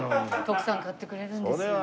徳さん買ってくれるんですよ。